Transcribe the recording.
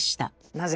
なぜ！